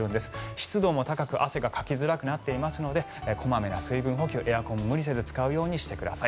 湿度も高く汗がかきづらくなっているので小まめな水分補給エアコンも無理せず使うようにしてください。